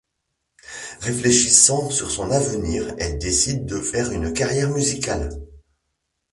Réfléchissant sur son avenir, elle décide de faire une carrière musicale.